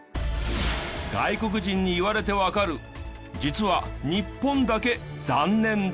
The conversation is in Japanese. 外国人に言われてわかる実は日本だけ残念だった？